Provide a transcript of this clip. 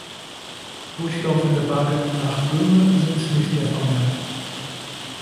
Durchlaufende Wagen nach Böhmen sind nicht mehr vermerkt.